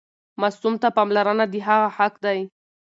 ماسوم ته پاملرنه د هغه حق دی.